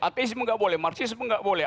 ateisme nggak boleh marxisme nggak boleh